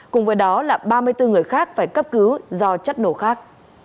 cùng với đó là ba mươi bốn người khác phải cấp cứu do chất nổ khác